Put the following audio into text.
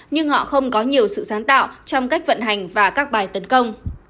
nhưng họ không có nhiều sự sáng tạo trong cách vận hành và các bài tấn công